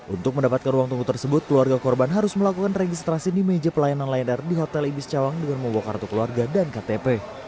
untuk mendapatkan ruang tunggu tersebut keluarga korban harus melakukan registrasi di meja pelayanan lion air di hotel ibis cawang dengan membawa kartu keluarga dan ktp